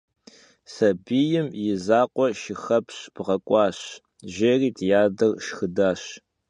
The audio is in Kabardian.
«Sabiym yi zakhue şşıxepş bğek'uaş», - jji'eri di ader şşxıdaş.